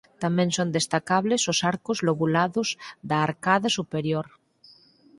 Tamén son destacables os arcos lobulados da arcada superior.